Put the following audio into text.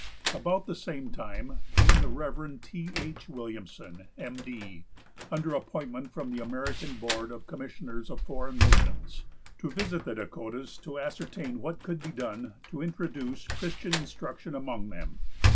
About the same time came the Rev. T. H. Williamson, M. D., under appointment from the American Board of Commissioners of Foreign Missions, to visit the Dakotas, to ascertain what could be done to introduce Christian instruction among them.